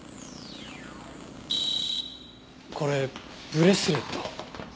これブレスレット。